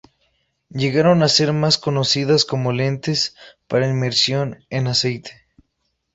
Llegaron a ser más conocidas como lentes para inmersión en "aceite".